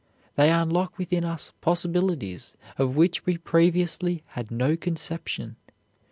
They unlock within us possibilities of which we previously had no conception.